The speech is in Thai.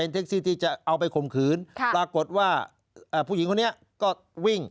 เท็กซี่ที่จะเอาไปข่มขืนปรากฏว่าผู้หญิงคนนี้ก็วิ่ง